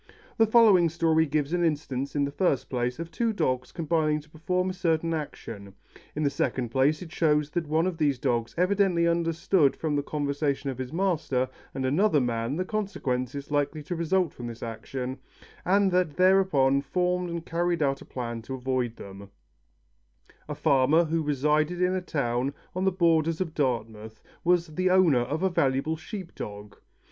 The following story gives an instance, in the first place, of two dogs combining to perform a certain action; in the second place, it shows that one of these dogs evidently understood from the conversation of his master and another man the consequences likely to result from this action, and that he thereupon formed and carried out a plan to avoid them. [Illustration: COME OUT AND HAVE SOME FUN.] A farmer who resided in a town on the borders of Dartmoor was the owner of a valuable sheep dog.